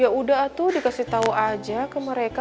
ya udah tuh dikasih tahu aja ke mereka